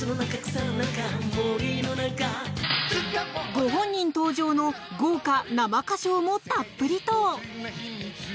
ご本人登場の豪華生歌唱もたっぷりと。